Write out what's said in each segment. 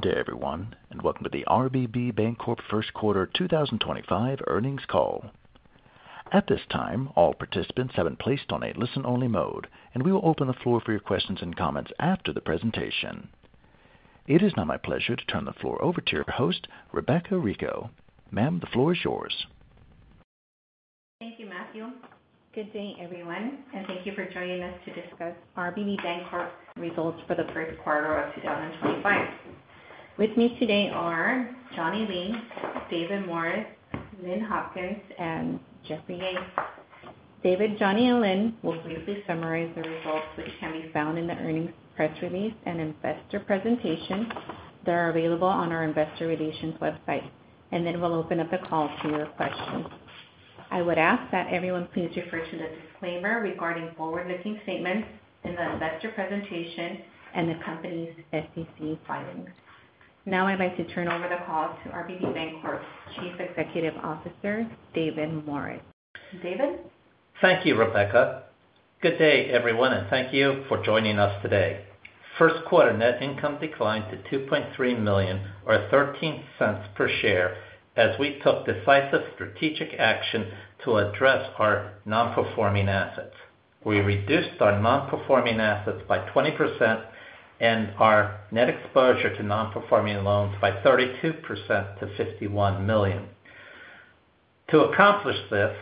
Good day everyone, and welcome to the RBB Bancorp Q1 2025 earnings call. At this time, all participants have been placed on a listen-only mode, and we will open the floor for your questions and comments after the presentation. It is now my pleasure to turn the floor over to your host, Rebeca Rico. Ma'am, the floor is yours. Thank you, Matthew. Good day everyone, and thank you for joining us to discuss RBB Bancorp results for the Q1 of 2025. With me today are Johnny Lee, David Morris, Lynn Hopkins, and Johnny Lee. David, Johnny, and Lynn will briefly summarize the results, which can be found in the earnings press release and investor presentation that are available on our investor relations website, and then we'll open up the call to your questions. I would ask that everyone please refer to the disclaimer regarding forward-looking statements in the investor presentation and the company's SEC filings. Now I'd like to turn over the call to RBB Bancorp's Chief Executive Officer, David Morris. David? Thank you, Rebeca. Good day everyone, and thank you for joining us today. Q1 net income declined to $2.3 million or $0.13 per share as we took decisive strategic action to address our non-performing assets. We reduced our non-performing assets by 20% and our net exposure to non-performing loans by 32% to $51 million. To accomplish this,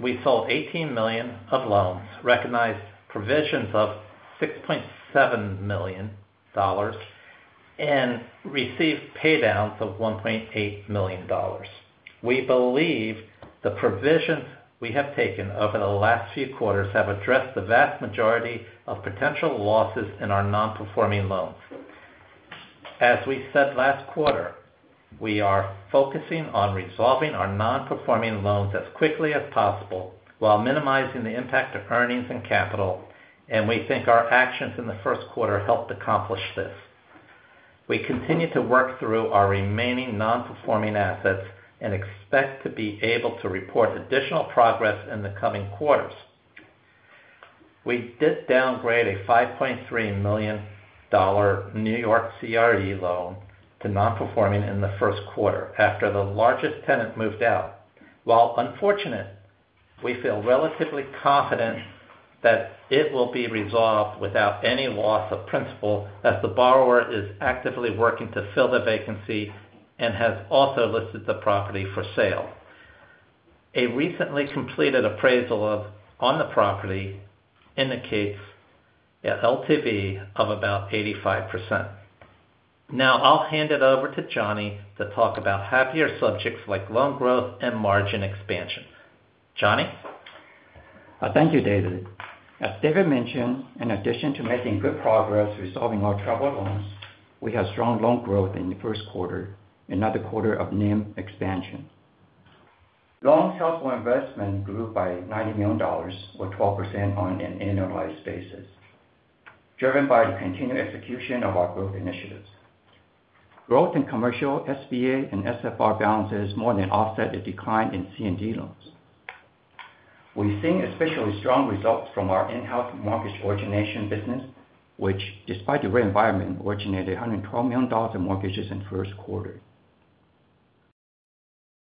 we sold $18 million of loans, recognized provisions of $6.7 million, and received paydowns of $1.8 million. We believe the provisions we have taken over the last few quarters have addressed the vast majority of potential losses in our non-performing loans. As we said last quarter, we are focusing on resolving our non-performing loans as quickly as possible while minimizing the impact of earnings and capital, and we think our actions in the Q1 helped accomplish this. We continue to work through our remaining non-performing assets and expect to be able to report additional progress in the coming quarters. We did downgrade a $5.3 million New York CRE loan to non-performing in the Q1 after the largest tenant moved out. While unfortunate, we feel relatively confident that it will be resolved without any loss of principal as the borrower is actively working to fill the vacancy and has also listed the property for sale. A recently completed appraisal on the property indicates an LTV of about 85%. Now I'll hand it over to Johnny to talk about happier subjects like loan growth and margin expansion. Johnny? Thank you, David. As David mentioned, in addition to making good progress resolving our troubled loans, we have strong loan growth in the Q1, another quarter of net expansion. Loans helped our investment grow by $90 million or 12% on an annualized basis, driven by the continued execution of our growth initiatives. Growth in commercial SBA and SFR balances more than offset the decline in C&D loans. We have seen especially strong results from our in-house mortgage origination business, which, despite the rare environment, originated $112 million in mortgages in the Q1.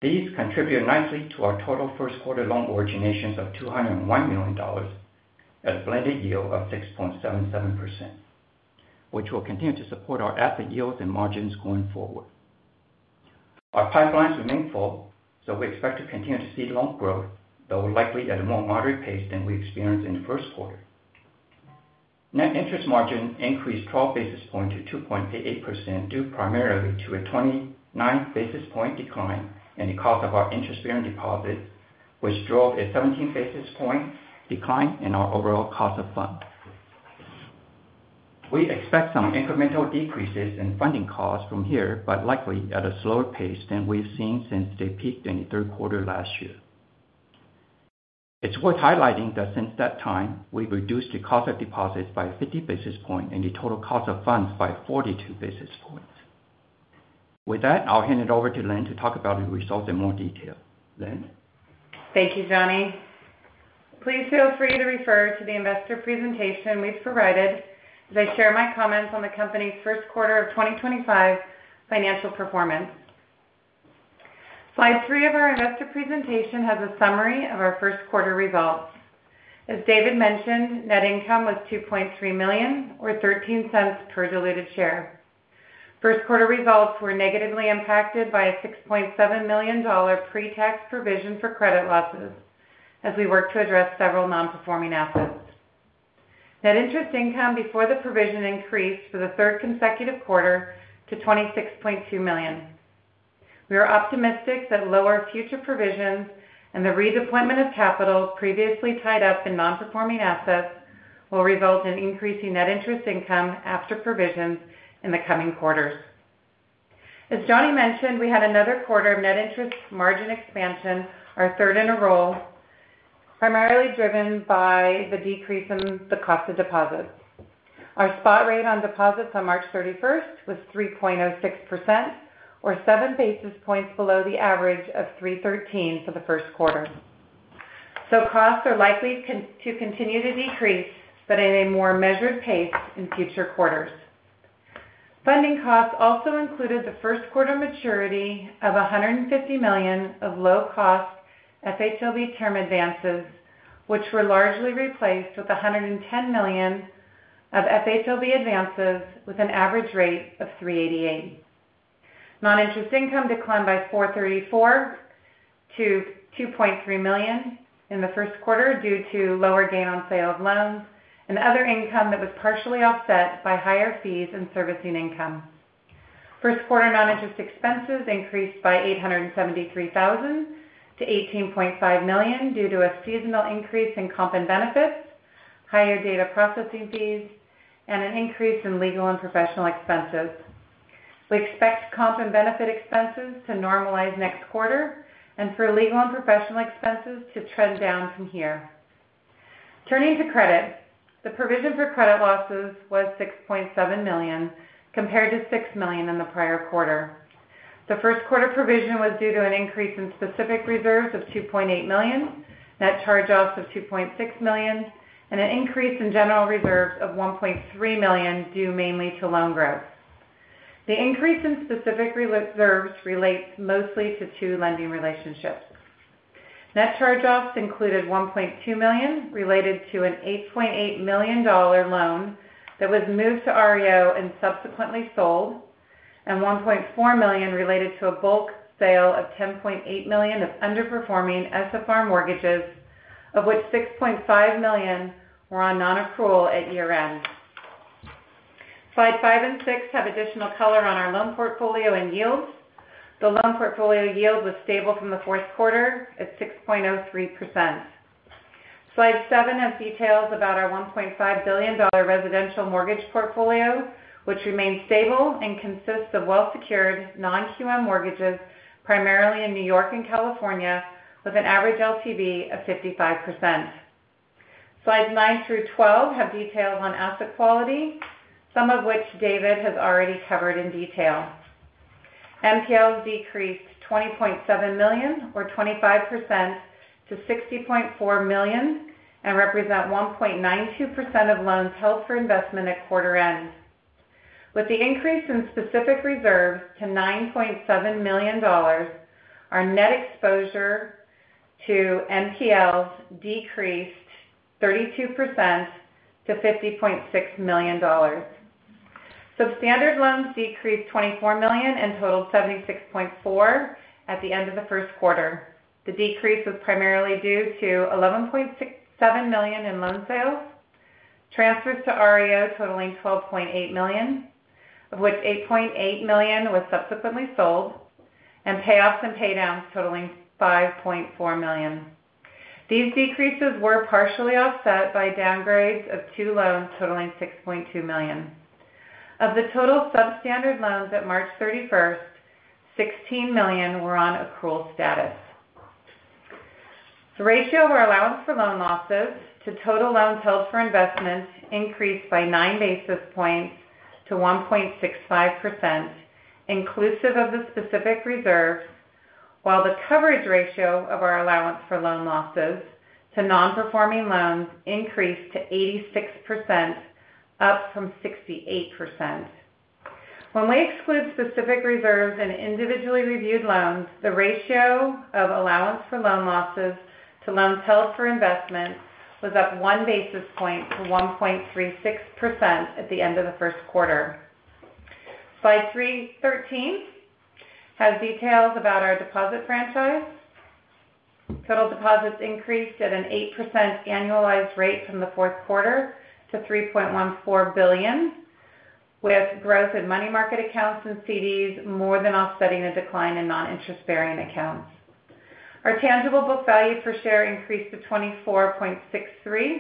These contribute nicely to our total Q1 loan originations of $201 million at a blended yield of 6.77%, which will continue to support our asset yields and margins going forward. Our pipelines remain full, so we expect to continue to see loan growth, though likely at a more moderate pace than we experienced in the Q1. Net interest margin increased 12 basis points to 2.88% due primarily to a 29 basis point decline in the cost of our interest-bearing deposits, which drove a 17 basis point decline in our overall cost of fund. We expect some incremental decreases in funding costs from here, but likely at a slower pace than we've seen since the peak in the Q3 last year. It's worth highlighting that since that time, we've reduced the cost of deposits by 50 basis points and the total cost of funds by 42 basis points. With that, I'll hand it over to Lynn to talk about the results in more detail. Lynn. Thank you, Johnny. Please feel free to refer to the investor presentation we've provided as I share my comments on the company's Q1 of 2025 financial performance. Slide three of our investor presentation has a summary of our Q1 results. As David mentioned, net income was $2.3 million or $0.13 per diluted share. Q1 results were negatively impacted by a $6.7 million pre-tax provision for credit losses as we worked to address several non-performing assets. Net interest income before the provision increased for the third consecutive quarter to $26.2 million. We are optimistic that lower future provisions and the redeployment of capital previously tied up in non-performing assets will result in increasing net interest income after provisions in the coming quarters. As Johnny mentioned, we had another quarter of net interest margin expansion, our third in a row, primarily driven by the decrease in the cost of deposits. Our spot rate on deposits on March 31 was 3.06%, or 7 basis points below the average of 3.13% for the Q1. Costs are likely to continue to decrease, but at a more measured pace in future quarters. Funding costs also included the Q1 maturity of $150 million of low-cost FHLB term advances, which were largely replaced with $110 million of FHLB advances with an average rate of 3.88%. Non-interest income declined by $434,000 to $2.3 million in the Q1 due to lower gain on sale of loans and other income that was partially offset by higher fees and servicing income. Q1 non-interest expenses increased by $873,000 to $18.5 million due to a seasonal increase in comp and benefits, higher data processing fees, and an increase in legal and professional expenses. We expect comp and benefit expenses to normalize next quarter and for legal and professional expenses to trend down from here. Turning to credit, the provision for credit losses was $6.7 million compared to $6 million in the prior quarter. The Q1 provision was due to an increase in specific reserves of $2.8 million, net charge-offs of $2.6 million, and an increase in general reserves of $1.3 million due mainly to loan growth. The increase in specific reserves relates mostly to two lending relationships. Net charge-offs included $1.2 million related to an $8.8 million loan that was moved to REO and subsequently sold, and $1.4 million related to a bulk sale of $10.8 million of underperforming SFR mortgages, of which $6.5 million were on non-accrual at year-end. Slide five and six have additional color on our loan portfolio and yields. The loan portfolio yield was stable from the Q4 at 6.03%. Slide seven has details about our $1.5 billion residential mortgage portfolio, which remains stable and consists of well-secured non-QM mortgages primarily in New York and California, with an average LTV of 55%. Slides nine through twelve have details on asset quality, some of which David has already covered in detail. NPLs decreased $20.7 million, or 25%, to $60.4 million and represent 1.92% of loans held for investment at quarter end. With the increase in specific reserves to $9.7 million, our net exposure to MPLs decreased 32% to $50.6 million. Substandard loans decreased $24 million and totaled $76.4 million at the end of the Q1. The decrease was primarily due to $11.7 million in loan sales, transfers to REO totaling $12.8 million, of which $8.8 million was subsequently sold, and payoffs and paydowns totaling $5.4 million. These decreases were partially offset by downgrades of two loans totaling $6.2 million. Of the total substandard loans at March 31st, $16 million were on accrual status. The ratio of our allowance for loan losses to total loans held for investment increased by 9 basis points to 1.65%, inclusive of the specific reserves, while the coverage ratio of our allowance for loan losses to non-performing loans increased to 86%, up from 68%. When we exclude specific reserves and individually reviewed loans, the ratio of allowance for loan losses to loans held for investment was up one basis point to 1.36% at the end of the Q1. Slide thirteen has details about our deposit franchise. Total deposits increased at an 8% annualized rate from the Q4 to $3.14 billion, with growth in money market accounts and CDs more than offsetting a decline in non-interest-bearing accounts. Our tangible book value per share increased to $24.63.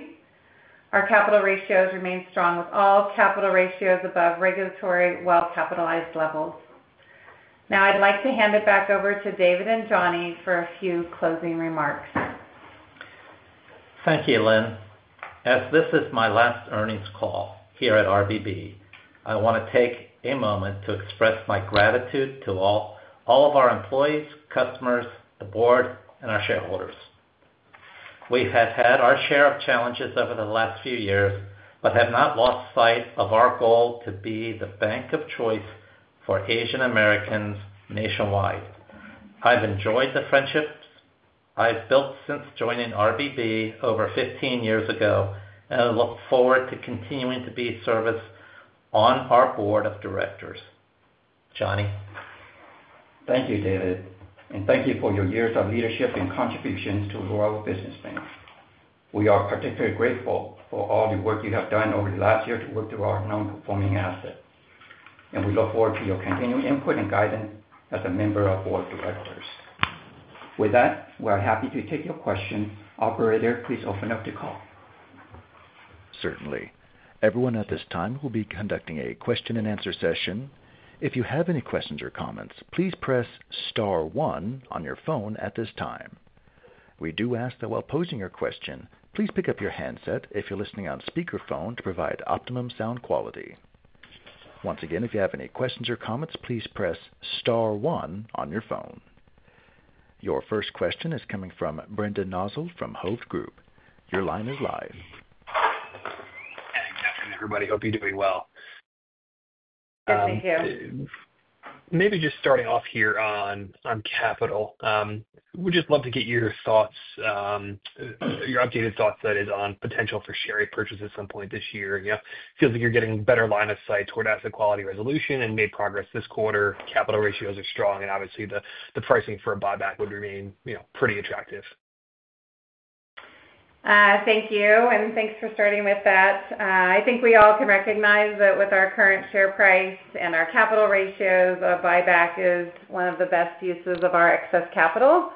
Our capital ratios remain strong, with all capital ratios above regulatory well-capitalized levels. Now I'd like to hand it back over to David and Johnny for a few closing remarks. Thank you, Lynn. As this is my last earnings call here at RBB, I want to take a moment to express my gratitude to all of our employees, customers, the board, and our shareholders. We have had our share of challenges over the last few years but have not lost sight of our goal to be the bank of choice for Asian Americans nationwide. I've enjoyed the friendships I've built since joining RBB over 15 years ago, and I look forward to continuing to be of service on our board of directors. Johnny. Thank you, David, and thank you for your years of leadership and contributions to the world of business. We are particularly grateful for all the work you have done over the last year to work through our non-performing assets, and we look forward to your continued input and guidance as a member of the board of directors. With that, we are happy to take your questions. Operator, please open up the call. Certainly. Everyone at this time will be conducting a question-and-answer session. If you have any questions or comments, please press star one on your phone at this time. We do ask that while posing your question, please pick up your handset if you're listening on speakerphone to provide optimum sound quality. Once again, if you have any questions or comments, please press star one on your phone. Your first question is coming from Brendan Nosal from Hovde Group. Your line is live. Hey, good afternoon, everybody. Hope you're doing well. Yes, thank you. Maybe just starting off here on capital, we'd just love to get your thoughts, your updated thoughts that is on potential for share purchase at some point this year. It feels like you're getting a better line of sight toward asset quality resolution and made progress this quarter. Capital ratios are strong, and obviously the pricing for a buyback would remain pretty attractive. Thank you, and thanks for starting with that. I think we all can recognize that with our current share price and our capital ratios, a buyback is one of the best uses of our excess capital.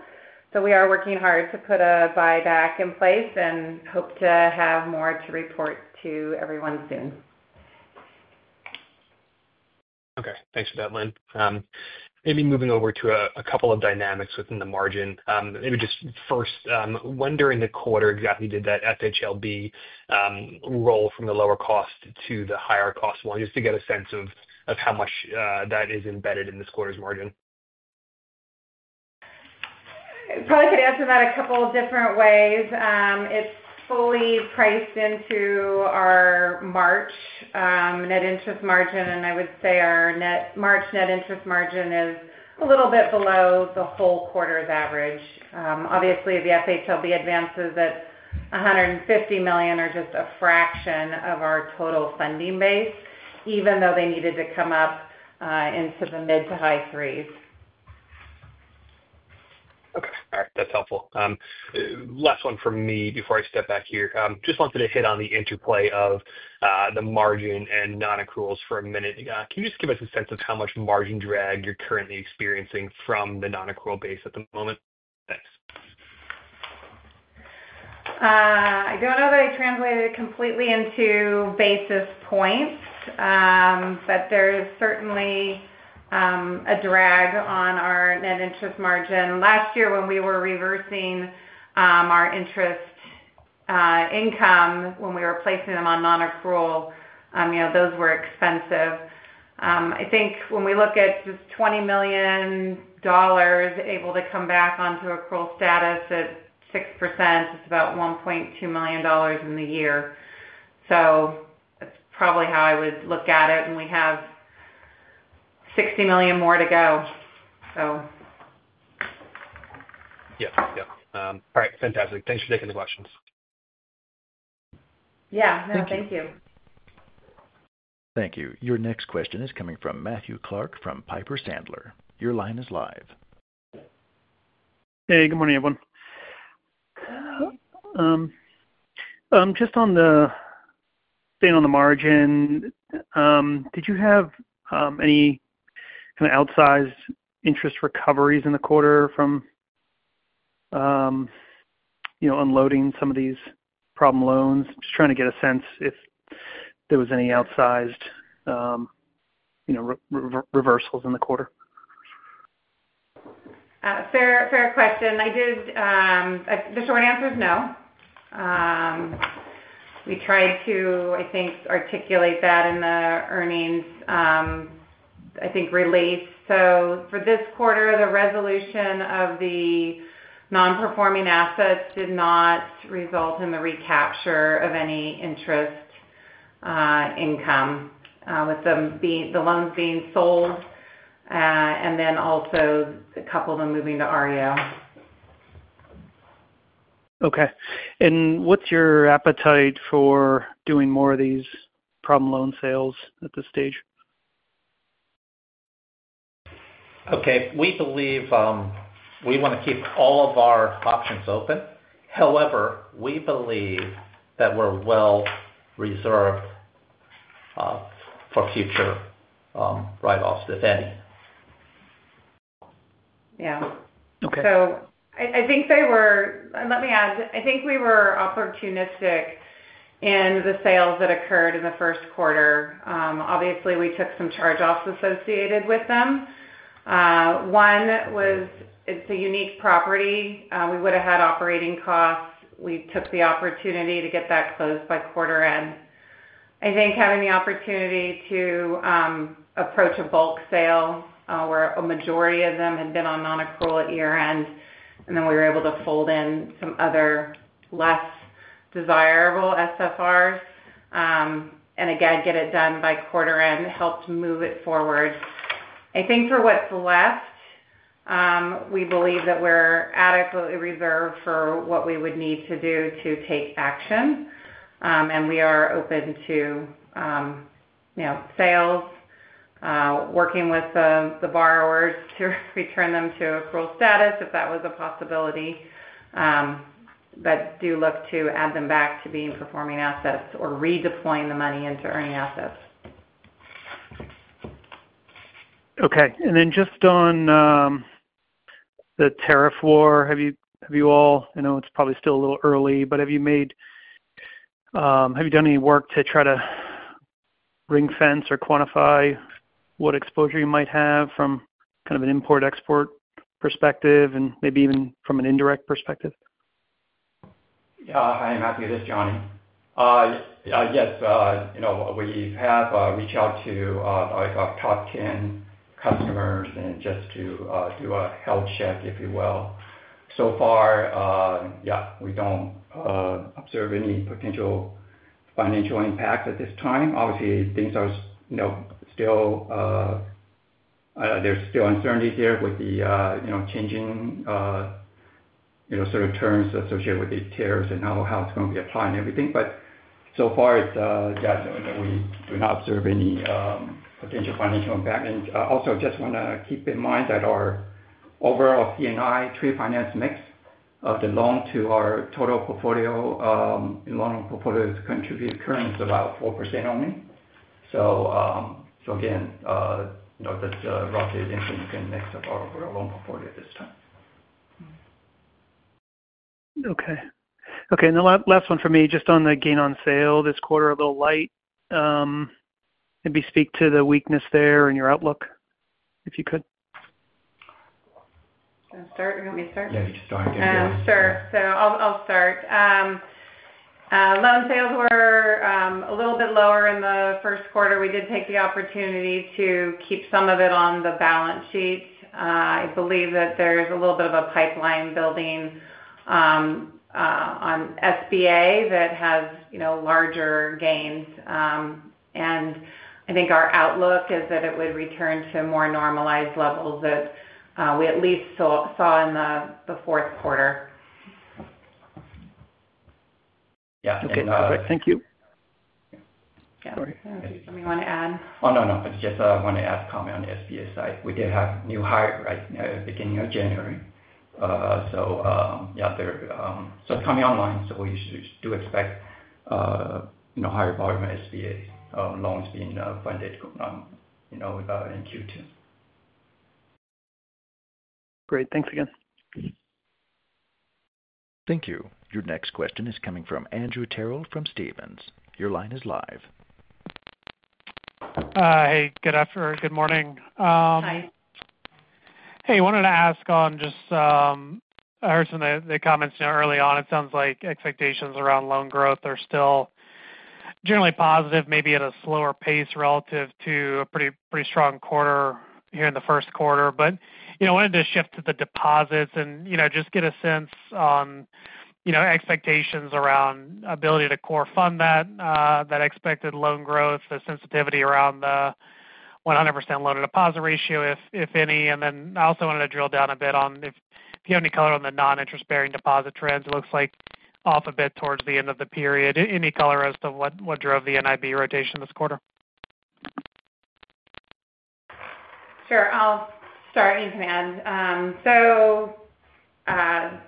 We are working hard to put a buyback in place and hope to have more to report to everyone soon. Okay, thanks for that, Lynn. Maybe moving over to a couple of dynamics within the margin. Maybe just first, when during the quarter exactly did that FHLB roll from the lower cost to the higher cost one, just to get a sense of how much that is embedded in this quarter's margin. I probably could answer that a couple of different ways. It's fully priced into our March net interest margin, and I would say our March net interest margin is a little bit below the whole quarter's average. Obviously, the FHLB advances at $150 million are just a fraction of our total funding base, even though they needed to come up into the mid to high threes. Okay. All right, that's helpful. Last one from me before I step back here. Just wanted to hit on the interplay of the margin and non-accruals for a minute. Can you just give us a sense of how much margin drag you're currently experiencing from the non-accrual base at the moment? Thanks. I don't know that I translated it completely into basis points, but there is certainly a drag on our net interest margin. Last year, when we were reversing our interest income, when we were placing them on non-accrual, those were expensive. I think when we look at just $20 million able to come back onto accrual status at 6%, it's about $1.2 million in the year. That's probably how I would look at it, and we have $60 million more to go. Yeah, yeah. All right, fantastic. Thanks for taking the questions. Yeah, no, thank you. Thank you. Your next question is coming from Matthew Clark from Piper Sandler. Your line is live. Hey, good morning, everyone. Just on the staying on the margin, did you have any kind of outsized interest recoveries in the quarter from unloading some of these problem loans? Just trying to get a sense if there was any outsized reversals in the quarter. Fair question. The short answer is no. We tried to, I think, articulate that in the earnings, I think, release. For this quarter, the resolution of the non-performing assets did not result in the recapture of any interest income with the loans being sold and then also a couple of them moving to REO. Okay. What is your appetite for doing more of these problem loan sales at this stage? Okay. We believe we want to keep all of our options open. However, we believe that we're well reserved for future write-offs, if any. Yeah. I think they were—let me add—I think we were opportunistic in the sales that occurred in the Q1. Obviously, we took some charge-offs associated with them. One was it's a unique property. We would have had operating costs. We took the opportunity to get that closed by quarter end. I think having the opportunity to approach a bulk sale where a majority of them had been on non-accrual at year-end, and then we were able to fold in some other less desirable SFRs and, again, get it done by quarter end helped move it forward. I think for what's left, we believe that we're adequately reserved for what we would need to do to take action, and we are open to sales, working with the borrowers to return them to accrual status if that was a possibility, but do look to add them back to being performing assets or redeploying the money into earning assets. Okay. Just on the tariff war, have you all—I know it's probably still a little early, but have you made—have you done any work to try to ring-fence or quantify what exposure you might have from kind of an import-export perspective and maybe even from an indirect perspective? Yeah, I'm happy with this, Johnny. Yes, we have reached out to our top 10 customers just to do a health check, if you will. So far, yeah, we do not observe any potential financial impacts at this time. Obviously, there is still uncertainty here with the changing sort of terms associated with the tariffs and how it is going to be applied and everything. So far, yes, we do not observe any potential financial impact. Also, just want to keep in mind that our overall C&I, trade finance mix of the loan to our total portfolio in loan portfolio is contributing currently about 4% only. Again, that is roughly the income mix of our overall loan portfolio at this time. Okay. Okay. The last one for me, just on the gain on sale this quarter, a little light. Maybe speak to the weakness there and your outlook if you could. You want me to start? Yeah, you can start. Sure. I'll start. Loan sales were a little bit lower in the first quarter. We did take the opportunity to keep some of it on the balance sheet. I believe that there's a little bit of a pipeline building on SBA that has larger gains. I think our outlook is that it would return to more normalized levels that we at least saw in the Q4. Yeah. Okay. Perfect. Thank you. Yeah. Does anybody want to add? Oh, no, no. I want to add a comment on the SBA side. We did have a new hire right at the beginning of January. Yeah, it is coming online. We do expect a higher volume of SBA loans being funded in Q2. Great. Thanks again. Thank you. Your next question is coming from Andrew Terrell from Stephens. Your line is live. Hey, good afternoon. Good morning. Hi. Hey, I wanted to ask on just I heard some of the comments early on. It sounds like expectations around loan growth are still generally positive, maybe at a slower pace relative to a pretty strong quarter here in the Q1. I wanted to shift to the deposits and just get a sense on expectations around ability to core fund that expected loan growth, the sensitivity around the 100% loan to deposit ratio, if any. I also wanted to drill down a bit on if you have any color on the non-interest-bearing deposit trends. It looks like off a bit towards the end of the period. Any color as to what drove the NIB rotation this quarter? Sure. I'll start and you can add.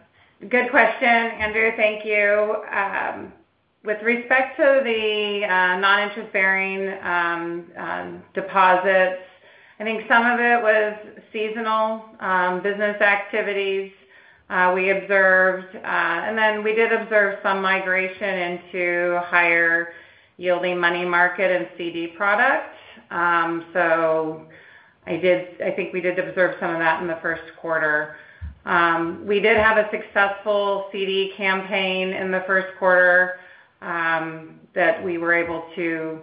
Good question, Andrew. Thank you. With respect to the non-interest-bearing deposits, I think some of it was seasonal business activities we observed. We did observe some migration into higher-yielding money market and CD product. I think we did observe some of that in the Q1. We did have a successful CD campaign in the first quarter that we were able to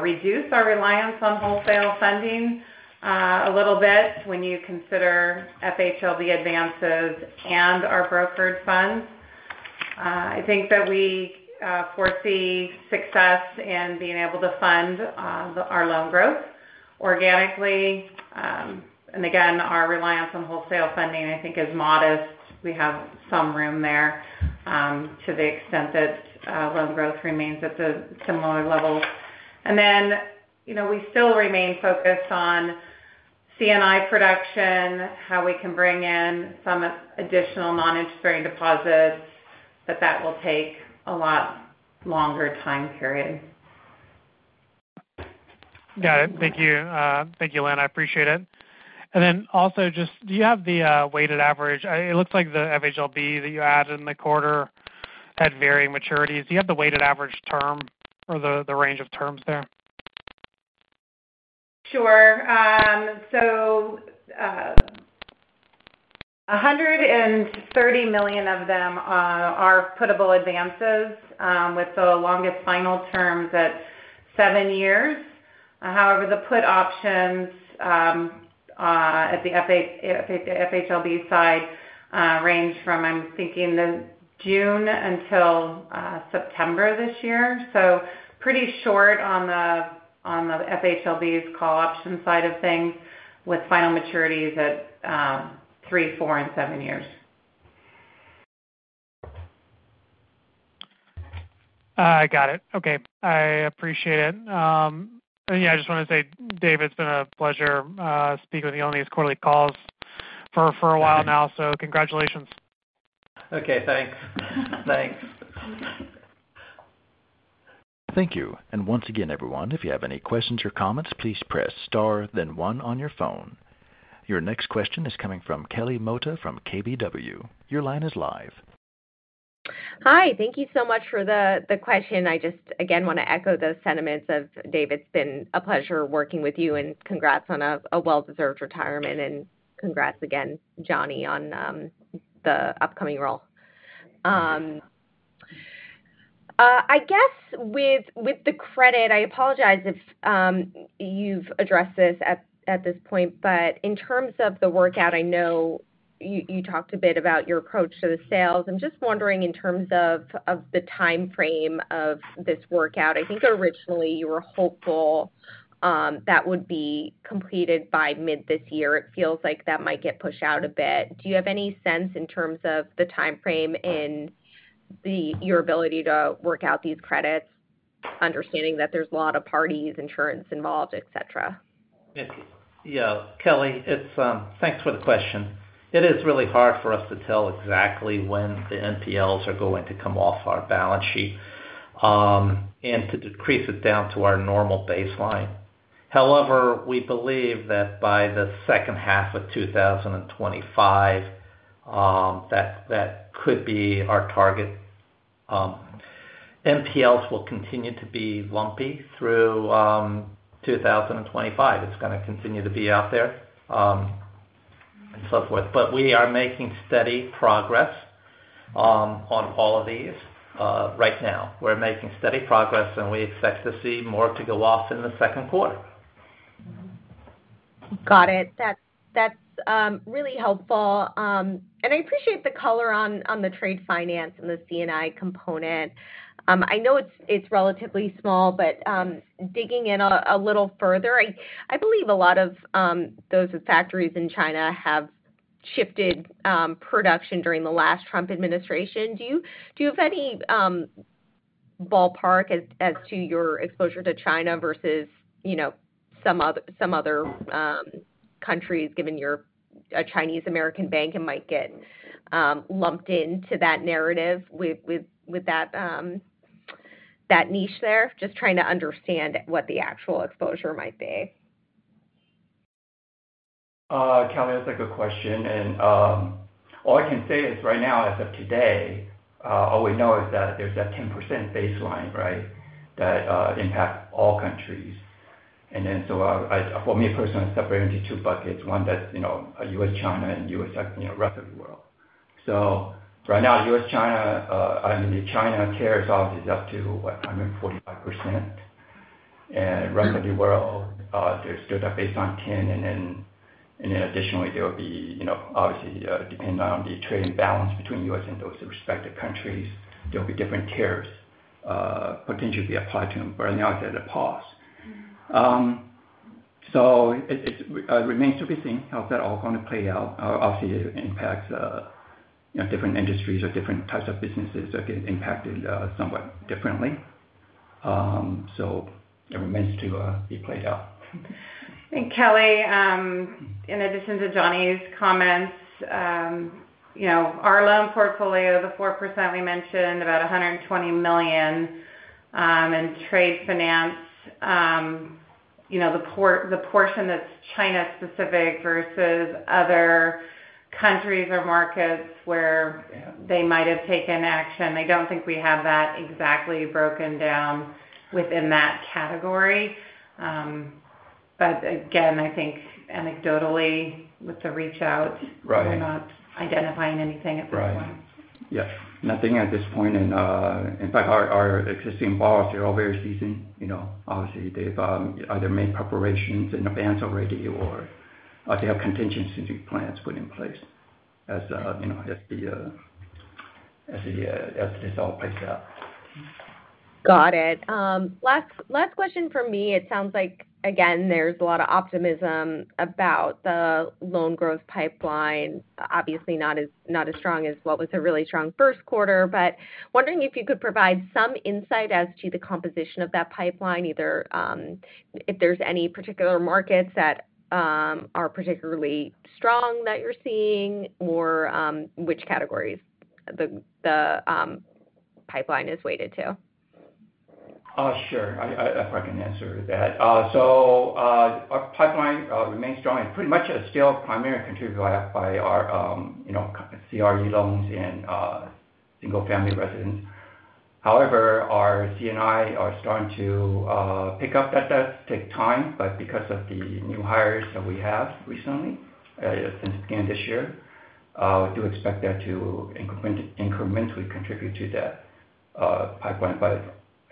reduce our reliance on wholesale funding a little bit when you consider FHLB advances and our brokered funds. I think that we foresee success in being able to fund our loan growth organically. Again, our reliance on wholesale funding, I think, is modest. We have some room there to the extent that loan growth remains at the similar levels. We still remain focused on C&I production, how we can bring in some additional non-interest-bearing deposits, but that will take a lot longer time period. Got it. Thank you. Thank you, Lynn. I appreciate it. Also, just do you have the weighted average? It looks like the FHLB that you added in the quarter had varying maturities. Do you have the weighted average term or the range of terms there? Sure. $130 million of them are puttable advances with the longest final terms at seven years. However, the put options at the FHLB side range from, I'm thinking, June until September this year. Pretty short on the FHLB's call option side of things with final maturities at three, four, and seven years. I got it. Okay. I appreciate it. Yeah, I just want to say, David, it's been a pleasure speaking with you on these quarterly calls for a while now. Congratulations. Okay. Thanks. Thanks. Thank you. Once again, everyone, if you have any questions or comments, please press star, then one on your phone. Your next question is coming from Kelly Motta from KBW. Your line is live. Hi. Thank you so much for the question. I just, again, want to echo those sentiments of, "David, it's been a pleasure working with you, and congrats on a well-deserved retirement, and congrats again, Johnny, on the upcoming role." I guess with the credit, I apologize if you've addressed this at this point, but in terms of the workout, I know you talked a bit about your approach to the sales. I'm just wondering in terms of the timeframe of this workout. I think originally you were hopeful that would be completed by mid this year. It feels like that might get pushed out a bit. Do you have any sense in terms of the timeframe in your ability to work out these credits, understanding that there's a lot of parties, insurance involved, etc.? Yeah. Kelly, thanks for the question. It is really hard for us to tell exactly when the NPLs are going to come off our balance sheet and to decrease it down to our normal baseline. However, we believe that by the H2 of 2025, that could be our target. NPLs will continue to be lumpy through 2025. It's going to continue to be out there and so forth. We are making steady progress on all of these right now. We're making steady progress, and we expect to see more to go off in the Q2. Got it. That's really helpful. I appreciate the color on the trade finance and the C&I component. I know it's relatively small, but digging in a little further, I believe a lot of those factories in China have shifted production during the last Trump administration. Do you have any ballpark as to your exposure to China versus some other countries, given you're a Chinese American bank and might get lumped into that narrative with that niche there? Just trying to understand what the actual exposure might be. Kelly, that's a good question. All I can say is right now, as of today, all we know is that there's that 10% baseline, right, that impacts all countries. For me personally, I separate into two buckets: one that's U.S., China, and U.S., revenue world. Right now, U.S., China, I mean, the China tariffs obviously is up to, what, 145%. Revenue world, they're still based on 10%. Additionally, there will be, obviously, depending on the trade balance between U.S. and those respective countries, there will be different tariffs potentially be applied to them. Right now, it's at a pause. It remains to be seen how that's all going to play out. Obviously, it impacts different industries or different types of businesses that get impacted somewhat differently. It remains to be played out. Kelly, in addition to Johnny's comments, our loan portfolio, the 4% we mentioned, about $120 million in trade finance, the portion that's China-specific versus other countries or markets where they might have taken action, I don't think we have that exactly broken down within that category. Again, I think anecdotally with the reach-out, we're not identifying anything at this point. Right. Yeah. Nothing at this point. In fact, our existing borrowers are all very seasoned. Obviously, they've either made preparations in advance already or they have contingency plans put in place as this all plays out. Got it. Last question for me. It sounds like, again, there's a lot of optimism about the loan growth pipeline. Obviously, not as strong as what was a really strong Q1, but wondering if you could provide some insight as to the composition of that pipeline, either if there's any particular markets that are particularly strong that you're seeing or which categories the pipeline is weighted to. Sure. If I can answer that. Our pipeline remains strong. It's pretty much still primarily contributed by our CRE loans and single-family residence. However, our C&I are starting to pick up. That takes time. Because of the new hires that we have recently since the beginning of this year, I do expect that to incrementally contribute to that pipeline.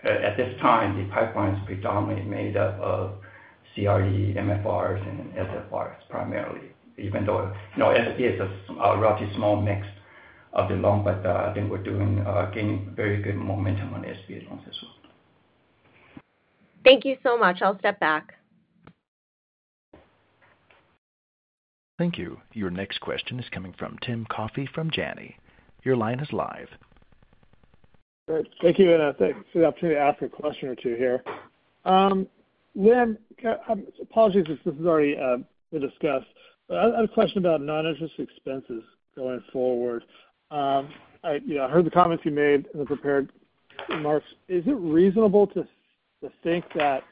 At this time, the pipeline is predominantly made up of CRE, MFRs, and SFRs primarily, even though SFR is a relatively small mix of the loan. I think we're gaining very good momentum on SBA loans as well. Thank you so much. I'll step back. Thank you. Your next question is coming from Tim Coffey from Janney. Your line is live. Thank you. Thanks for the opportunity to ask a question or two here. Lynn, apologies if this has already been discussed, but I have a question about non-interest expenses going forward. I heard the comments you made in the prepared remarks. Is it reasonable to think that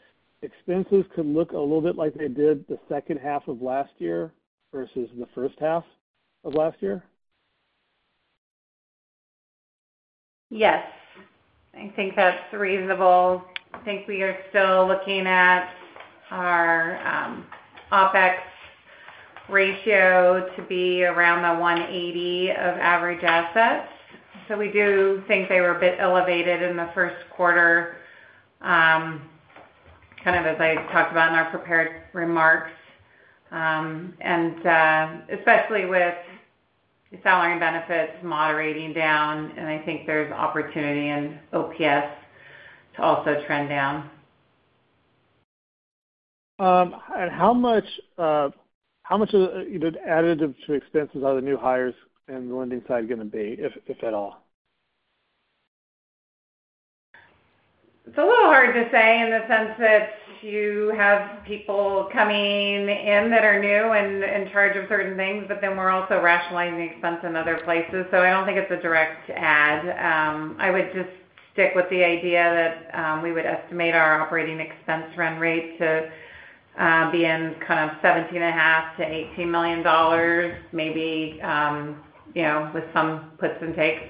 expenses could look a little bit like they did the H2 of last year versus the H1 of last year? Yes. I think that's reasonable. I think we are still looking at our OpEx ratio to be around the 180% of average assets. We do think they were a bit elevated in the Q1, kind of as I talked about in our prepared remarks, especially with salary benefits moderating down. I think there's opportunity in OpEx to also trend down. How much of the additive to expenses are the new hires and the lending side going to be, if at all? It's a little hard to say in the sense that you have people coming in that are new and in charge of certain things, but then we're also rationalizing the expense in other places. I don't think it's a direct add. I would just stick with the idea that we would estimate our operating expense run rate to be in kind of $17.5 million-$18 million, maybe with some puts and takes.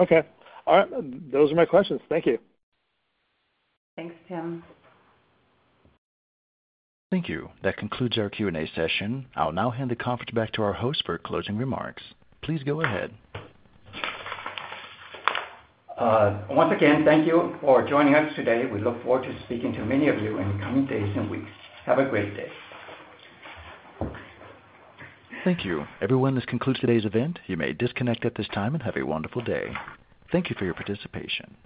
Okay. All right. Those are my questions. Thank you. Thanks, Tim. Thank you. That concludes our Q&A session. I'll now hand the conference back to our host for closing remarks. Please go ahead. Once again, thank you for joining us today. We look forward to speaking to many of you in the coming days and weeks. Have a great day. Thank you. Everyone, this concludes today's event. You may disconnect at this time and have a wonderful day. Thank you for your participation.